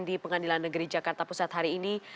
di pengadilan negeri jakarta pusat hari ini